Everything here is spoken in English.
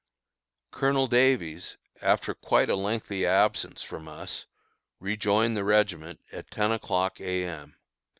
_ Colonel Davies, after quite a lengthy absence from us, rejoined the regiment at ten o'clock A. M.